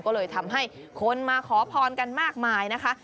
ก็เลยทำให้คนมาขอพรกันมากมายนะคะ